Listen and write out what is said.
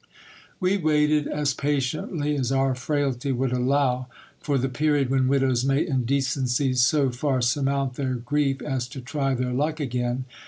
We waited, as patiently as our frailty would allow, for the period when widows may in decency so far sur mount their grief as to try their luck again.